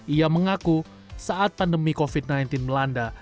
ia mengaku saat pandemi covid sembilan belas melanda